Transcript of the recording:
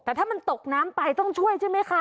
แต่ถ้ามันตกน้ำไปต้องช่วยใช่ไหมคะ